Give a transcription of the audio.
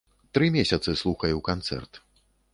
Тры месяцы слухаю канцэрт.